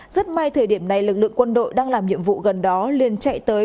rất may thời điểm này lực lượng quân đội đang làm nhiệm vụ gần đó liên chạy tới